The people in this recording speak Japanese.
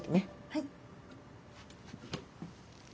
はい。